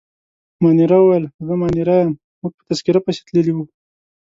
مانیرا وویل: زه مانیرا یم، موږ په تذکیره پسې تللي وو.